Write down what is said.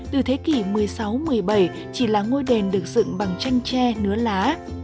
từ thế kỷ một mươi sáu một mươi bảy chỉ là ngôi đền được dựng bằng chanh tre nứa lá